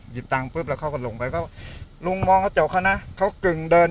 หยิบตังค์ปุ๊บแล้วเขาก็ลงไปเขาลุงมองเขาเจ๋วเขานะเขากึ่งเดิน